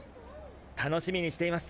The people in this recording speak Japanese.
楽しみにしています。